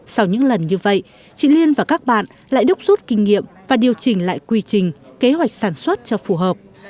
sau những lần như vậy chị liên và các bạn lại đúc rút kinh nghiệm và điều chỉnh lại quy trình kế hoạch sản xuất cho phù hợp